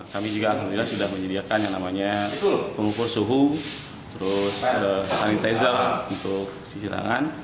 kami juga alhamdulillah sudah menyediakan yang namanya pengukur suhu terus sanitizer untuk cuci tangan